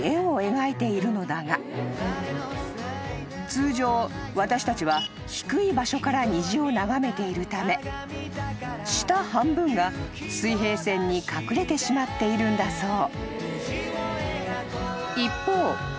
［通常私たちは低い場所から虹を眺めているため下半分が水平線に隠れてしまっているんだそう］